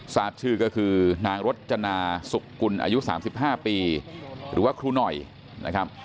ทราบชื่อก็คือนางรจนาสุกกุลอายุ๓๕ปีหรือว่าครูหน่อยนะครับ